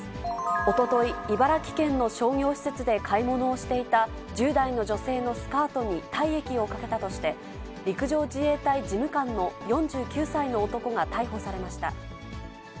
おととい、茨城県の商業施設で買い物をしていた１０代の女性のスカートに体液をかけたとして、陸上自衛隊事務官の４９歳の男が逮捕されました。